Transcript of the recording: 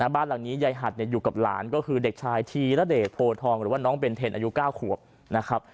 บ้านหลังนี้ยายหัดอยู่กับหลานก็คือเด็กชายธีระเดชโพทองหรือว่าน้องเบนเทนอายุ๙ขวบนะครับ